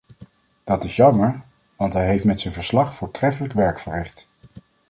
Dat is jammer, want hij heeft met zijn verslag voortreffelijk werk verricht.